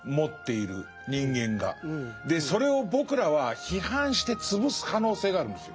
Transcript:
それを僕らは批判して潰す可能性があるんですよ。